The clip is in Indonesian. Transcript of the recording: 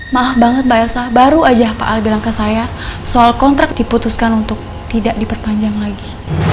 mahal banget mbak elsa baru aja pak al bilang ke saya soal kontrak diputuskan untuk tidak diperpanjang lagi